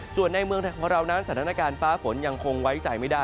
ส่วนในเมืองไทยของเรานั้นสถานการณ์ฟ้าฝนยังคงไว้ใจไม่ได้